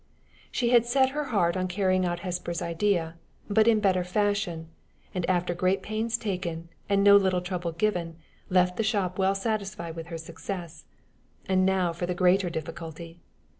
She had set her heart on carrying out Hesper's idea, but in better fashion; and after great pains taken, and no little trouble given, left the shop well satisfied with her success. And now for the greater difficulty!